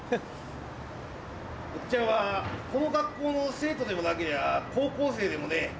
おっちゃんはこの学校の生徒でもなけりゃ高校生でもねえ。